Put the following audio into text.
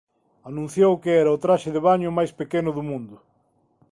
Anunciou que era o "traxe de baño máis pequeno do mundo.